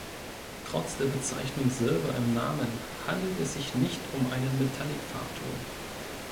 Trotz der Bezeichnung Silber im Namen, handelt es sich nicht um einen Metallic-Farbton.